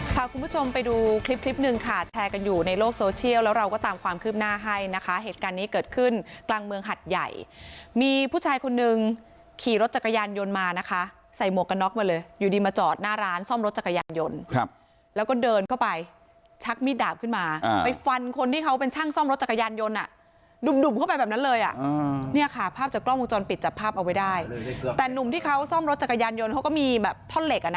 ค่ะคุณผู้ชมไปดูคลิปคลิปหนึ่งค่ะแชร์กันอยู่ในโลกโซเชียลแล้วเราก็ตามความคืบหน้าให้นะคะเหตุการณ์นี้เกิดขึ้นกลางเมืองหัดใหญ่มีผู้ชายคนนึงขี่รถจักรยานยนต์มานะคะใส่หมวกกระน็อคมาเลยอยู่ดีมาจอดหน้าร้านซ่อมรถจักรยานยนต์แล้วก็เดินเข้าไปชักมีดดาบขึ้นมาไปฟันคนที่เขาเป็นช่างซ่อมรถจักรยานยนต